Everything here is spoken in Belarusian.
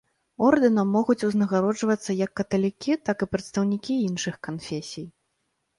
Ордэнам могуць узнагароджвацца як каталікі, так і прадстаўнікі іншых канфесій.